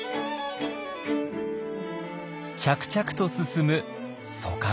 着々と進む疎開。